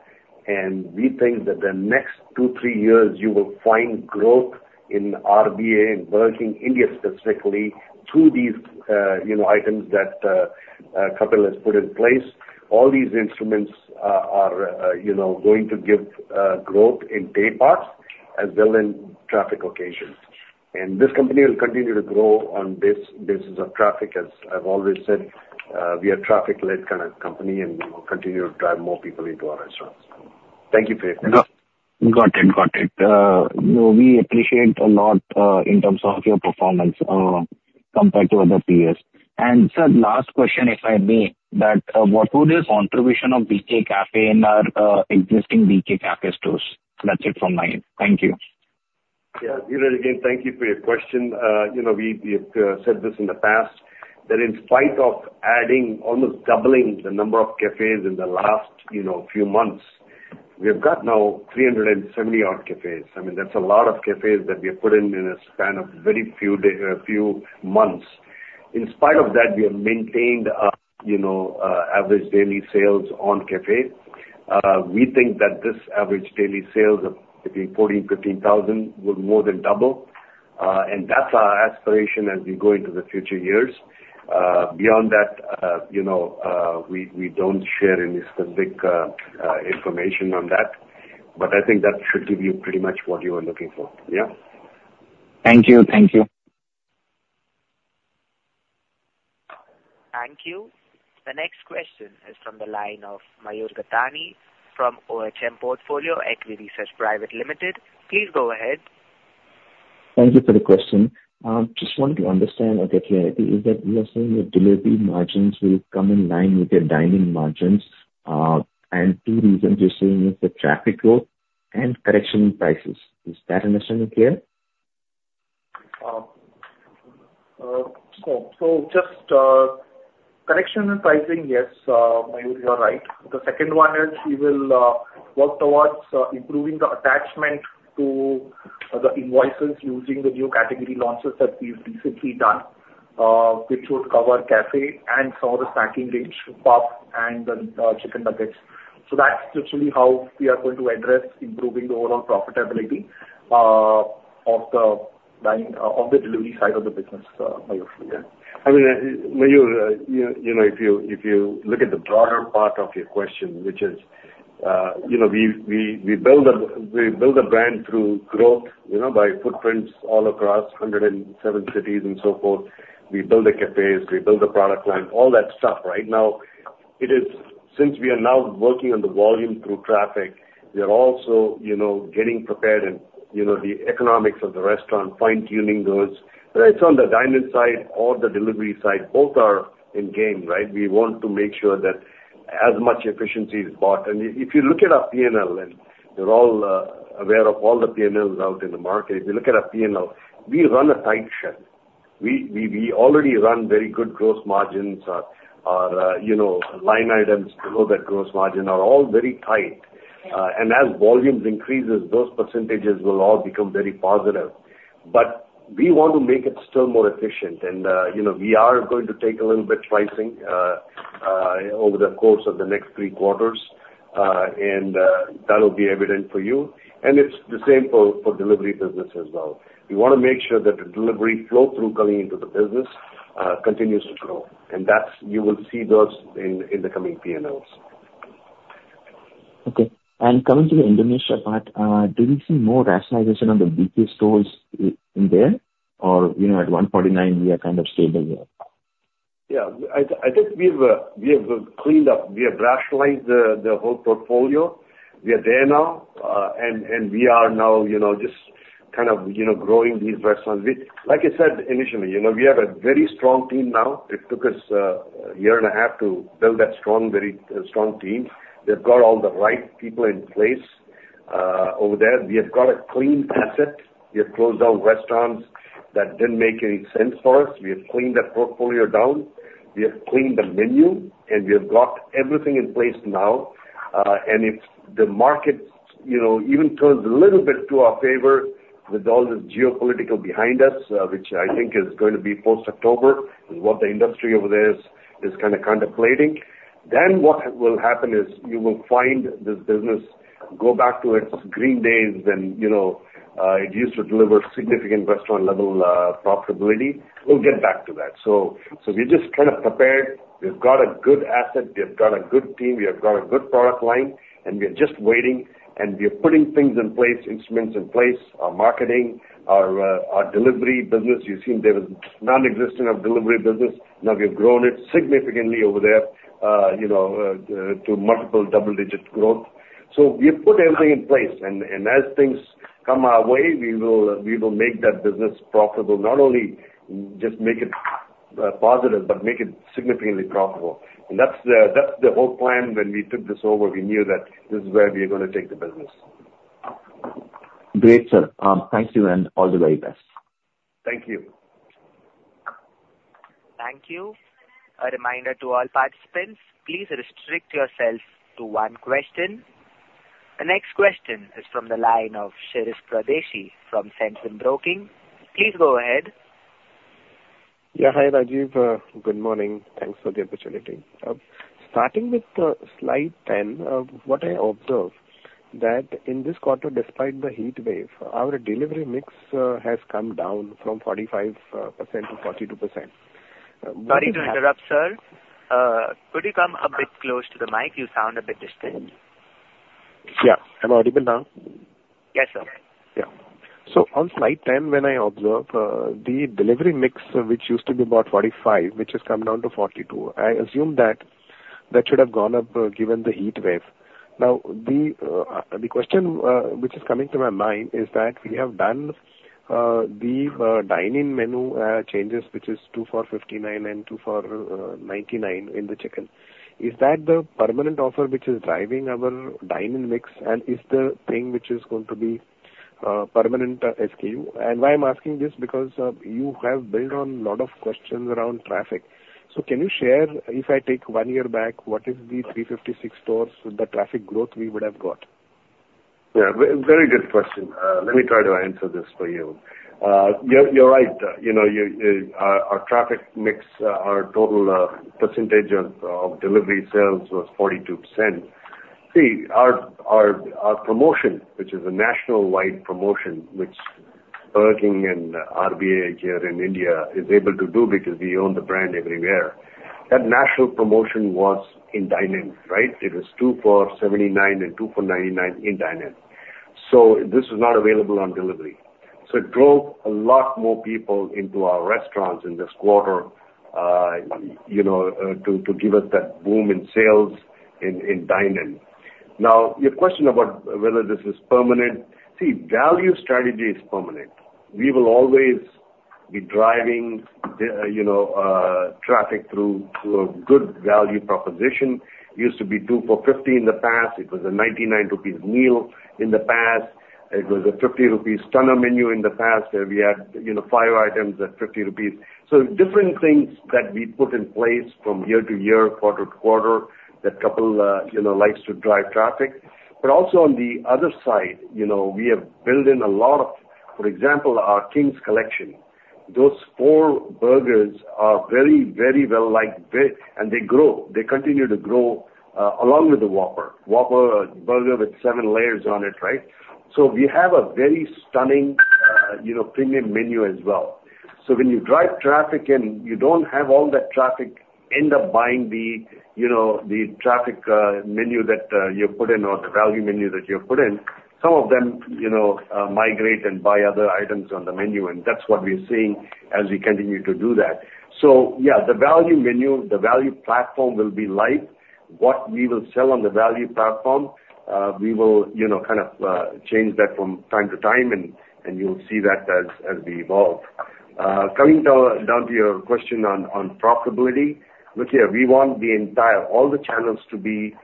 and we think that the next two, three years, you will find growth in RBA, in emerging India specifically, through these, you know, items that Kapil has put in place. All these instruments are, you know, going to give growth in day parts as well in traffic occasions. This company will continue to grow on this basis of traffic. As I've always said, we are a traffic-led kind of company, and we will continue to drive more people into our restaurants. Thank you for your question. Got it. Got it. You know, we appreciate a lot in terms of your performance compared to other peers. Sir, last question, if I may, what would be the contribution of BK Cafe in our existing BK Cafe stores? That's it from my end. Thank you. Yeah. Dhiraj, again, thank you for your question. You know, we have said this in the past, that in spite of adding, almost doubling the number of cafes in the last, you know, few months, we've got now 370-odd cafes. I mean, that's a lot of cafes that we have put in, in a span of very few months. In spite of that, we have maintained our, you know, average daily sales on cafe. We think that this average daily sales of between 14,000-15,000 will more than double. And that's our aspiration as we go into the future years. Beyond that, you know, we don't share any specific information on that. But I think that should give you pretty much what you are looking for. Yeah? Thank you. Thank you. Thank you. The next question is from the line of Mayur Gathani from OHM Portfolio Equity Research Private Limited. Please go ahead. Thank you for the question. Just wanted to understand or get clarity, is that you are saying that delivery margins will come in line with your dine-in margins, and two reasons you're saying is the traffic growth and correction in prices. Is that understanding clear? So just correction in pricing, yes, Mayur, you are right. The second one is we will work towards improving the attachment to the invoices using the new category launches that we've recently done, which would cover cafe and some of the snacking range, puff and the chicken nuggets. So that's literally how we are going to address improving the overall profitability of the delivery side of the business, Mayur, yeah. I mean, Mayur, you know, if you look at the broader part of your question, which is, you know, we build a brand through growth, you know, by footprints all across 107 cities and so forth. We build the cafes, we build the product line, all that stuff. Right now, it is. Since we are now working on the volume through traffic, we are also, you know, getting prepared and, you know, the economics of the restaurant, fine-tuning those. Whether it's on the dine-in side or the delivery side, both are in game, right? We want to make sure that as much efficiency is brought. If you look at our P&L, and you're all aware of all the P&Ls out in the market, if you look at our P&L, we run a tight ship. We already run very good gross margins. Our, you know, line items below that gross margin are all very tight. And as volumes increases, those percentages will all become very positive. But we want to make it still more efficient and, you know, we are going to take a little bit pricing over the course of the next three quarters, and that will be evident for you. And it's the same for delivery business as well. We wanna make sure that the delivery flow through coming into the business continues to grow, and that's. You will see those in the coming P&Ls. Okay. Coming to the Indonesia part, do we see more rationalization on the BK stores in there, or, you know, at 149 we are kind of stable there? Yeah. I think we've cleaned up, we have rationalized the whole portfolio. We are there now, and we are now, you know, just kind of, you know, growing these restaurants. We, like I said, initially, you know, we have a very strong team now. It took us a year and a half to build that strong, very strong team. We've got all the right people in place over there. We have got a clean asset. We have closed down restaurants that didn't make any sense for us. We have cleaned that portfolio down. We have cleaned the menu, and we have got everything in place now. And if the market, you know, even turns a little bit to our favor, with all the geopolitical behind us, which I think is going to be post-October, is what the industry over there is kinda contemplating, then what will happen is, you will find this business go back to its green days when, you know, it used to deliver significant restaurant level profitability. We'll get back to that. So we're just kind of prepared. We've got a good asset, we have got a good team, we have got a good product line, and we are just waiting, and we are putting things in place, instruments in place, our marketing, our delivery business. You've seen there was nonexistent of delivery business. Now we've grown it significantly over there, you know, to multiple double-digit growth. So we've put everything in place, and as things come our way, we will make that business profitable. Not only just make it positive, but make it significantly profitable. And that's the whole plan when we took this over, we knew that this is where we are gonna take the business. Great, sir. Thank you and all the very best. Thank you. Thank you. A reminder to all participants, please restrict yourself to one question. The next question is from the line of Shirish Pardeshi from Centrum Broking. Please go ahead. Yeah. Hi, Rajeev, good morning. Thanks for the opportunity. Starting with slide 10, what I observed, that in this quarter, despite the heatwave, our delivery mix has come down from 45% to 42%. Sorry to interrupt, sir. Could you come a bit close to the mic? You sound a bit distant. Yeah. Am I audible now? Yes, sir. Yeah. So on slide 10, when I observe, the delivery mix, which used to be about 45, which has come down to 42, I assume that that should have gone up, given the heatwave. Now, the question, which is coming to my mind is that we have done, the dine-in menu, changes, which is two for 59 and two for 99 in the chicken. Is that the permanent offer which is driving our dine-in mix, and is the thing which is going to be permanent SKU? And why I'm asking this, because, you have built on a lot of questions around traffic. So can you share, if I take one year back, what is the 356 stores, the traffic growth we would have got? Yeah, very good question. Let me try to answer this for you. You're right. You know, our traffic mix, our total percentage of delivery sales was 42%. See, our promotion, which is a nationwide promotion, working in RBA here in India is able to do because we own the brand everywhere. That national promotion was in dine-in, right? It was 2 for 79 and 2 for 99 in dine-in. So this is not available on delivery. So it drove a lot more people into our restaurants in this quarter, you know, to give us that boom in sales in dine-in. Now, your question about whether this is permanent. See, value strategy is permanent. We will always be driving, you know, traffic through to a good value proposition. Used to be 2 for 50 in the past. It was an 99 rupees meal in the past. It was an 50 rupees Stunner Menu in the past, where we had, you know, 5 items at 50 rupees. So different things that we put in place from year to year, quarter to quarter, that couple, you know, likes to drive traffic. But also on the other side, you know, we have built in a lot of, for example, our King's Collection. Those 4 burgers are very, very well liked, and they grow. They continue to grow, along with the Whopper. Whopper, a burger with 7 layers on it, right? So we have a very stunning, you know, premium menu as well. So when you drive traffic in, you don't have all that traffic end up buying the, you know, the traffic menu that you put in or the value menu that you put in. Some of them, you know, migrate and buy other items on the menu, and that's what we're seeing as we continue to do that. So yeah, the value menu, the value platform will be light. What we will sell on the value platform, we will, you know, kind of, change that from time to time, and, and you'll see that as, as we evolve. Coming down to your question on profitability. Look, yeah, we want the entire, all the channels to be,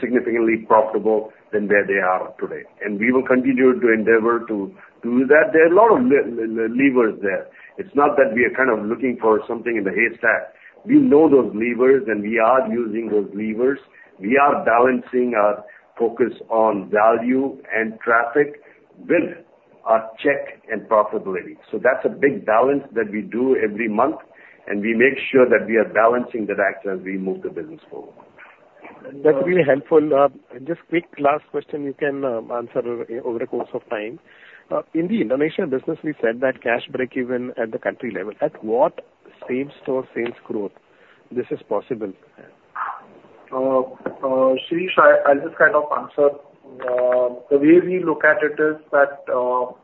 significantly profitable than where they are today, and we will continue to endeavor to do that. There are a lot of levers there. It's not that we are kind of looking for something in the haystack. We know those levers, and we are using those levers. We are balancing our focus on value and traffic with our check and profitability. That's a big balance that we do every month, and we make sure that we are balancing that act as we move the business forward. That's really helpful. Just quick last question you can answer over the course of time. In the Indonesian business, we said that cash break even at the country level. At what same-store sales growth this is possible? Shirish, I'll just kind of answer. The way we look at it is that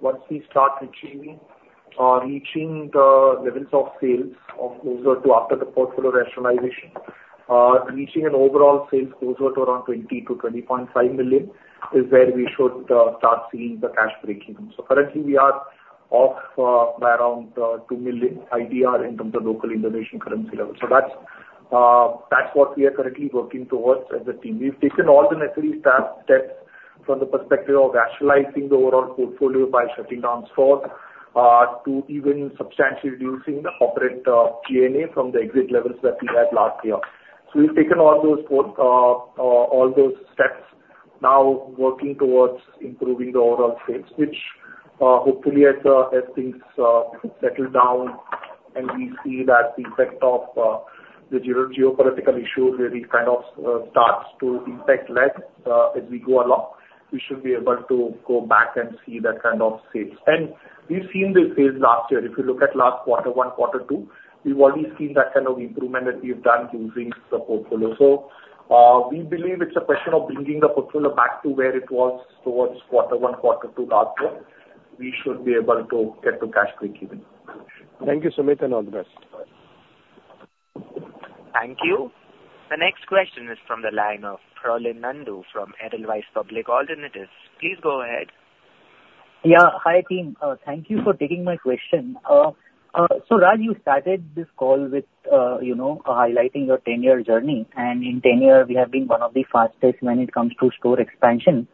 once we start reaching the levels of sales of closer to after the portfolio rationalization, reaching an overall sales closer to around 20-20.5 million, is where we should start seeing the cash breaking. So currently, we are off by around 2 million IDR in terms of local Indonesian currency level. So that's what we are currently working towards as a team. We've taken all the necessary steps from the perspective of rationalizing the overall portfolio by shutting down stores, to even substantially reducing the opex, G&A from the exit levels that we had last year. So we've taken all those four, all those steps, now working towards improving the overall sales, which, hopefully, as, as things, settle down and we see that the effect of, the geopolitical issue really kind of, starts to impact less, as we go along, we should be able to go back and see that kind of sales. And we've seen this sales last year. If you look at last quarter one, quarter two, we've already seen that kind of improvement that we've done using the portfolio. So, we believe it's a question of bringing the portfolio back to where it was towards quarter one, quarter two last year. We should be able to get to cash break even. Thank you, Sumit, and all the best. Bye. Thank you. The next question is from the line of Pralay Nandu from Edelweiss Public Alternatives. Please go ahead. Yeah. Hi, team. Thank you for taking my question. So Raj, you started this call with, you know, highlighting your ten-year journey, and in ten years, we have been one of the fastest when it comes to store expansion.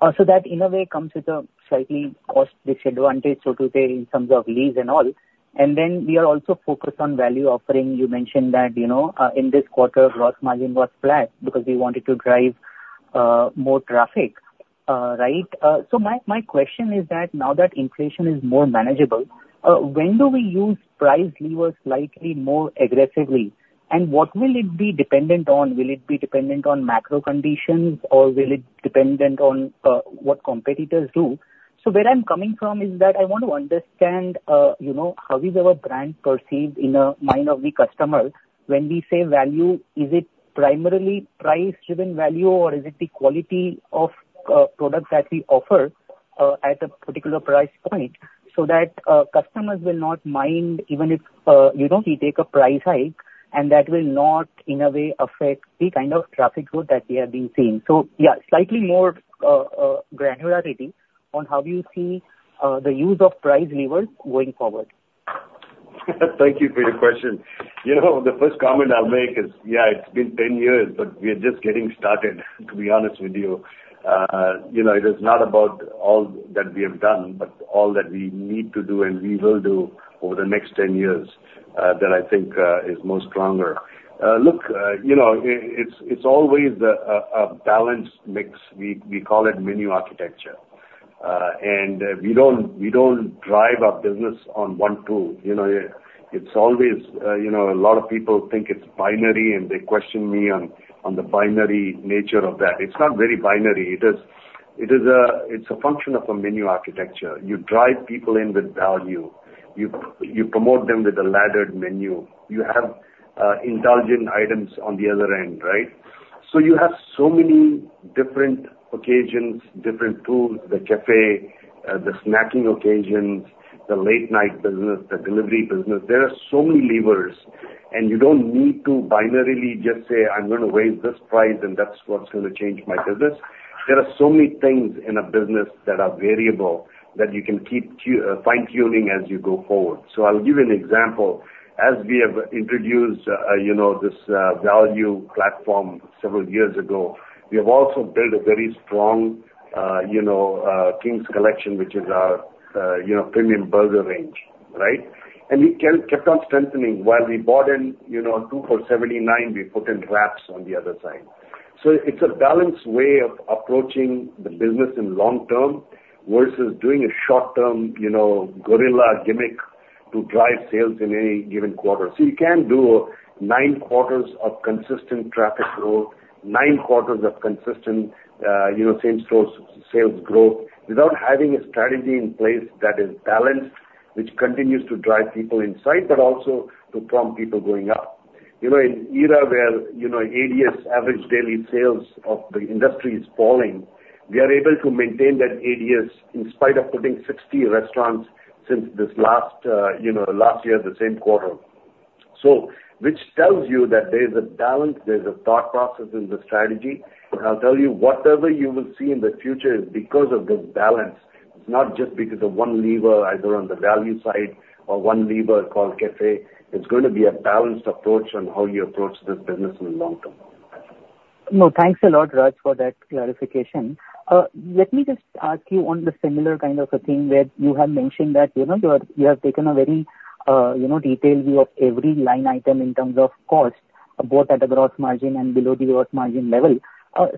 So that in a way comes with a slightly cost disadvantage, so to say, in terms of lease and all. And then we are also focused on value offering. You mentioned that, you know, in this quarter, gross margin was flat because we wanted to drive more traffic, right? So my question is that, now that inflation is more manageable, when do we use price levers slightly more aggressively, and what will it be dependent on? Will it be dependent on macro conditions, or will it be dependent on what competitors do? So where I'm coming from is that I want to understand, you know, how is our brand perceived in the mind of the customer? When we say value, is it primarily price-driven value, or is it the quality of products that we offer at a particular price point so that customers will not mind even if, you know, we take a price hike, and that will not, in a way, affect the kind of traffic growth that we have been seeing? So, yeah, slightly more granularity on how do you see the use of price levers going forward? Thank you for your question. You know, the first comment I'll make is, yeah, it's been 10 years, but we are just getting started, to be honest with you. You know, it is not about all that we have done, but all that we need to do and we will do over the next 10 years, that I think, is more stronger. Look, you know, it's always a balanced mix. We call it menu architecture. And we don't drive our business on one tool. You know, it's always, you know, a lot of people think it's binary, and they question me on the binary nature of that. It's not very binary. It is a function of a menu architecture. You drive people in with value, you promote them with a laddered menu. You have indulgent items on the other end, right? So you have so many different occasions, different tools, the cafe, the snacking occasions, the late-night business, the delivery business. There are so many levers, and you don't need to binarily just say: I'm gonna raise this price, and that's what's gonna change my business. There are so many things in a business that are variable, that you can keep fine-tuning as you go forward. So I'll give you an example. As we have introduced you know, this value platform several years ago, we have also built a very strong you know, King's Collection, which is our premium burger range, right? And we kept on strengthening. While we brought in, you know, 2 for 79, we put in wraps on the other side. So it's a balanced way of approaching the business in long term versus doing a short-term, you know, guerrilla gimmick to drive sales in any given quarter. So you can't do 9 quarters of consistent traffic growth, 9 quarters of consistent, you know, same-store sales growth without having a strategy in place that is balanced, which continues to drive people inside, but also to prompt people going up. You know, in era where, you know, ADS, average daily sales, of the industry is falling, we are able to maintain that ADS in spite of putting 60 restaurants since this last, you know, last year, the same quarter. So, which tells you that there's a balance, there's a thought process in the strategy. I'll tell you, whatever you will see in the future is because of this balance. It's not just because of one lever, either on the value side or one lever called cafe. It's going to be a balanced approach on how you approach this business in the long term. No, thanks a lot, Raj, for that clarification. Let me just ask you on the similar kind of a thing, where you have mentioned that, you know, you have taken a very, you know, detailed view of every line item in terms of cost, both at the gross margin and below the gross margin level.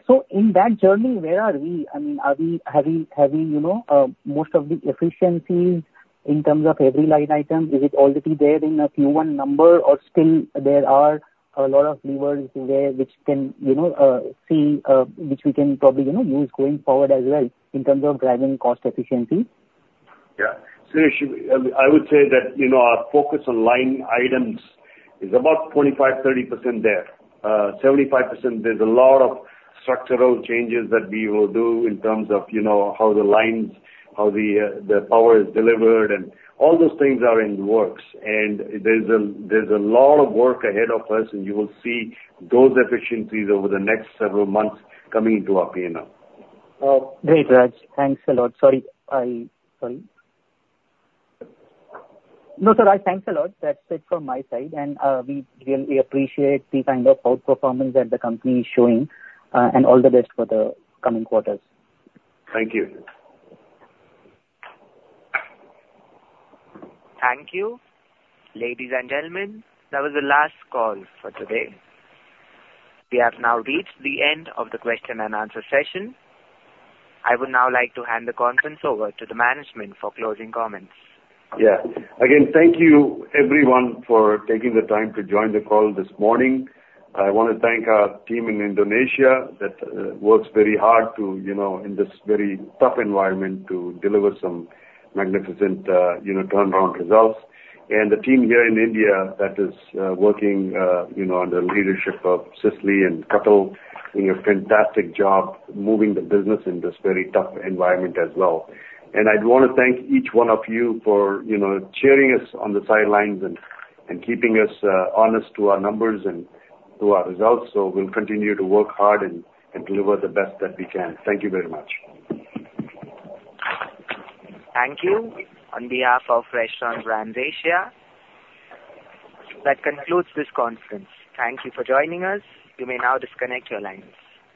So in that journey, where are we? I mean, are we, have we, you know, most of the efficiencies in terms of every line item, is it already there in a Q1 number, or still there are a lot of levers there which can, you know, see, which we can probably, you know, use going forward as well in terms of driving cost efficiency? Yeah. Suresh, I would say that, you know, our focus on line items is about 25-30% there. 75%, there's a lot of structural changes that we will do in terms of, you know, how the lines, the power is delivered, and all those things are in the works. And there's a lot of work ahead of us, and you will see those efficiencies over the next several months coming into our P&L. Great, Raj. Thanks a lot. Sorry. No, sir, Raj, thanks a lot. That's it from my side, and we really appreciate the kind of outperformance that the company is showing, and all the best for the coming quarters. Thank you. Thank you. Ladies and gentlemen, that was the last call for today. We have now reached the end of the question-and-answer session. I would now like to hand the conference over to the management for closing comments. Yeah. Again, thank you everyone for taking the time to join the call this morning. I want to thank our team in Indonesia that works very hard to, you know, in this very tough environment, to deliver some magnificent, you know, turnaround results. And the team here in India that is working, you know, under the leadership of Cecily and Kapil, doing a fantastic job moving the business in this very tough environment as well. And I'd want to thank each one of you for, you know, cheering us on the sidelines and keeping us honest to our numbers and to our results. So we'll continue to work hard and deliver the best that we can. Thank you very much. Thank you. On behalf of Restaurant Brands Asia, that concludes this conference. Thank you for joining us. You may now disconnect your lines.